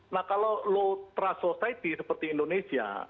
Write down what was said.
nah kalau low trust society seperti indonesia